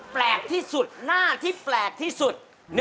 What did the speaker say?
แปลกที่สุดหน้าที่แปลกที่สุด